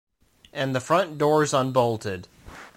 And the front door's unbolted.